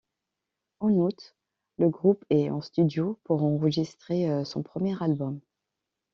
En août, le groupe est en studio pour enregistrer son premier album.